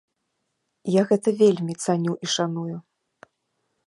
Я гэта вельмі цаню і шаную.